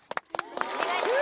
お願いします。